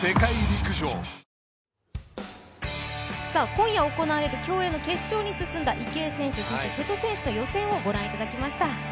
今夜行われる競泳の決勝に進んだ池江選手、そして瀬戸選手の予選をご覧いただきました。